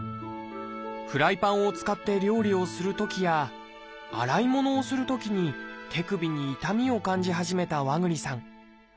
フライパンを使って料理をするときや洗い物をするときに手首に痛みを感じ始めた和栗さん。